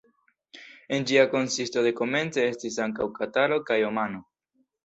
En ĝia konsisto dekomence estis ankaŭ Kataro kaj Omano.